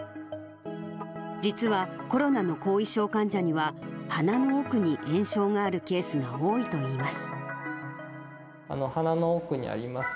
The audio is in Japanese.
実は、コロナの後遺症患者には、鼻の奥に炎症があるケースが多いといいます。